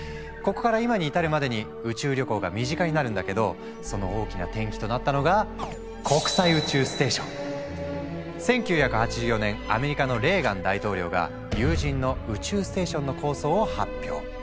ここから今に至るまでに宇宙旅行が身近になるんだけどその大きな転機となったのが１９８４年アメリカのレーガン大統領が有人の宇宙ステーションの構想を発表。